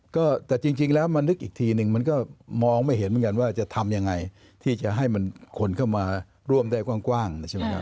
ก็แต่จริงแล้วมานึกอีกทีนึงมันก็มองไม่เห็นเหมือนกันว่าจะทำยังไงที่จะให้มันคนเข้ามาร่วมได้กว้างใช่ไหมครับ